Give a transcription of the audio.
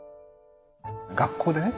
学校でね